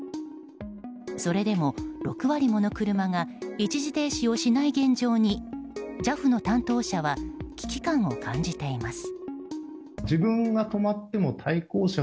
それでも６割もの車が一時停止をしない現状にＪＡＦの担当者は危機感を感じています。